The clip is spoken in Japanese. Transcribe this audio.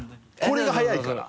これが速いから。